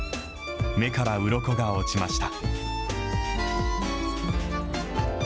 目からうろこが落ちました。